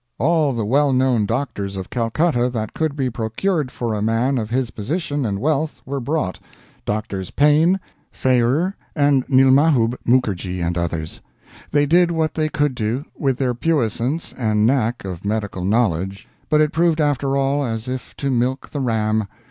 All the well known doctors of Calcutta that could be procured for a man of his position and wealth were brought, Doctors Payne, Fayrer, and Nilmadhub Mookerjee and others; they did what they could do, with their puissance and knack of medical knowledge, but it proved after all as if to milk the ram!